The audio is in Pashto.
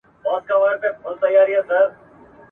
تعلیم د فقر په وړاندي یوه قوي وسله ده.